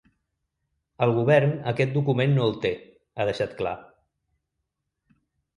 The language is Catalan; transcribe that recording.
El govern aquest document no el té, ha deixat clar.